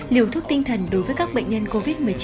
liều thuốc tinh thần đối với các bệnh nhân covid một mươi chín